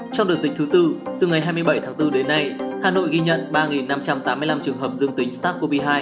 trong đợt dịch thứ tư từ ngày hai mươi bảy tháng bốn đến nay hà nội ghi nhận ba năm trăm tám mươi năm trường hợp dương tính sars cov hai